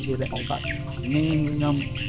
proses itu kita membedakannya apa